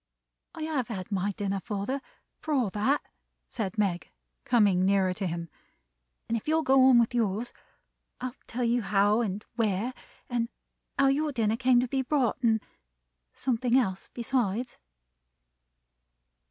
"I have had my dinner, father, for all that," said Meg, coming nearer to him. "And if you'll go on with yours, I'll tell you how and where; and how your dinner came to be brought; and something else besides."